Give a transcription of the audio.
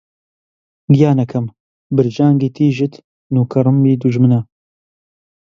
گیانەکەم! برژانگی تیژت نووکە ڕمبی دوژمنە